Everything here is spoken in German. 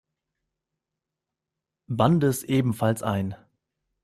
Bandes ebenfalls ein.